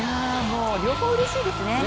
両方うれしいですね。